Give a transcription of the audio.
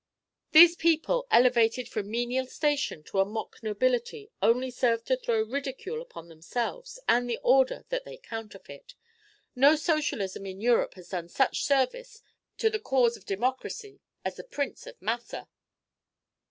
These people, elevated from menial station to a mock nobility, only serve to throw ridicule upon themselves and the order that they counterfeit. No socialist in Europe has done such service to the cause of democracy as the Prince of Massa!"